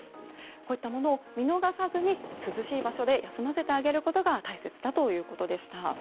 こういったものを見逃さずに涼しい場所で休ませてあげることが大切だということでした。